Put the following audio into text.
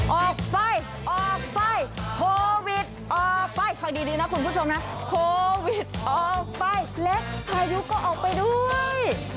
ออกไปออกไปโควิดออกไปค่อยดีนะคุณผู้ชมนะโควิดออกไปเล็กพายุก็ออกไปด้วย